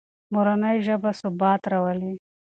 مورنۍ ژبه ثبات راولي.